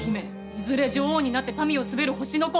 いずれ女王になって民を統べる星の子。